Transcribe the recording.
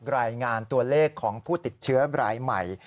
รายงานตัวเลขของผู้ติดเชื้อรายใหม่